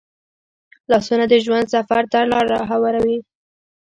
لاسونه د ژوند سفر ته لار کوي